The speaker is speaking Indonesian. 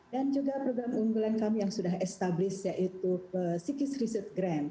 dan juga program unggulan kami yang sudah established yaitu ckis research grant